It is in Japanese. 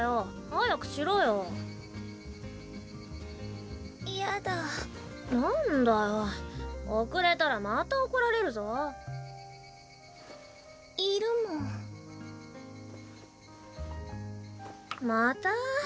早く嫌だなんだ遅れたらまた怒られるぞいるもんまた？